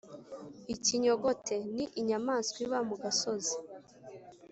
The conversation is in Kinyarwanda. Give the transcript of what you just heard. ikinyogote: ni inyamaswa iba mu gasozi